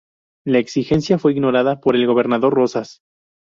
La exigencia fue ignorada por el gobernador Rosas.